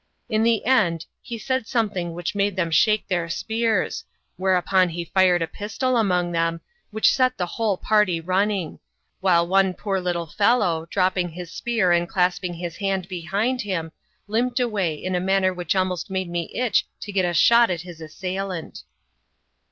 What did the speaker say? In the end he said something which made them shake their spears ; whereupon he fired a pistol among them, which set the whole party running ; while one poor little fellow, dropping his spear and clapping his hand behind him, limped away in a manner which almost made me itch to get a shot at his assailant.